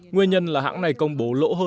nguyên nhân là hãng này công bố lỗ hợp